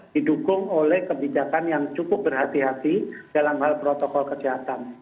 didukung oleh kebijakan yang cukup berhati hati dalam hal protokol kesehatan